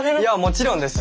もちろんです。